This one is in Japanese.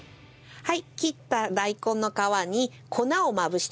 はい。